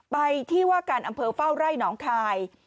ไปที่ว่าการอำเภอเฝ้าไร่หนองคาย